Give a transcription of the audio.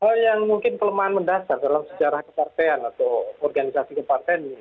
hal yang mungkin kelemahan mendasar dalam sejarah kepartean atau organisasi kepartean ini